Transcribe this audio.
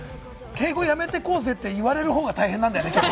敬語やめていこうぜって言われる方が大変なんだよね。